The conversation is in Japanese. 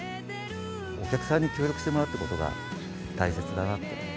お客さんに協力してもらうということが大切だなって。